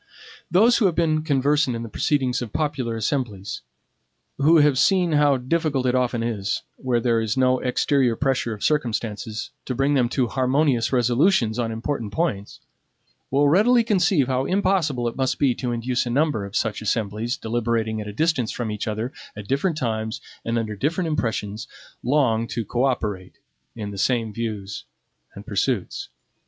Those who have been conversant in the proceedings of popular assemblies; who have seen how difficult it often is, where there is no exterior pressure of circumstances, to bring them to harmonious resolutions on important points, will readily conceive how impossible it must be to induce a number of such assemblies, deliberating at a distance from each other, at different times, and under different impressions, long to co operate in the same views and pursuits.